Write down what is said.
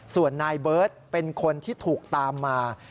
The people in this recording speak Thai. ส่วนนายเบิร์ตเป็นคนที่ถูกตามมา